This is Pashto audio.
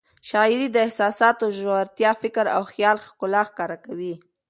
شاعري د احساساتو ژورتیا، فکر او خیال ښکلا ښکاره کوي.